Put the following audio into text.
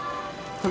これ。